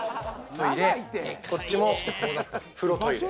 こっちも風呂トイレ。